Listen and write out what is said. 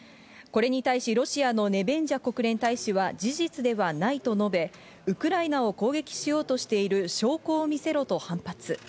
これに対しロシアのネベンジャ国連大使は事実ではないと述べ、ウクライナを攻撃しようとしている証拠を見せろと反発。